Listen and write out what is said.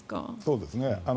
そうですね。